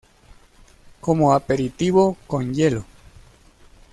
Como aperitivo, con hielo.